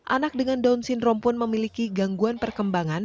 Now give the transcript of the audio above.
anak dengan down syndrome pun memiliki gangguan perkembangan